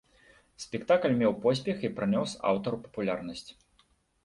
Спектакль меў поспех і прынёс аўтару папулярнасць.